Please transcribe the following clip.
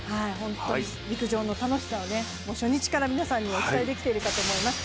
陸上の楽しさを初日から皆さんにお伝えできていると思います。